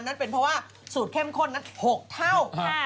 นั่นเป็นเพราะว่าสูตรเข้มข้นนั้น๖เท่า